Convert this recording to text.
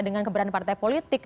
dengan keberadaan partai politik